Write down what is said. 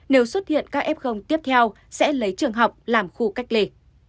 nếu xuất hiện các f tiếp theo sẽ lấy trường học làm khu cách ly